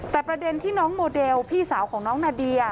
แต่ประเด็นที่น้องโมเดลพี่สาวของน้องนาเดีย